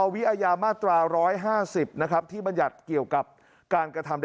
วิอาญามาตรา๑๕๐นะครับที่บรรยัติเกี่ยวกับการกระทำ